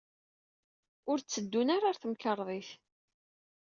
Ur tteddun ara ɣer temkarḍit.